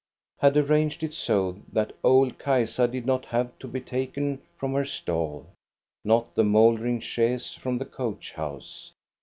— had arranged it so that old Kajsa did not have to be taken from her stall, nor the mouldering chaise from the coach house.